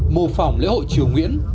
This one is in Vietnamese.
mô phỏng lễ hội triều nguyễn